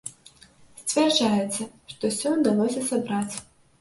Сцвярджаецца, што ўсё ўдалося сабраць.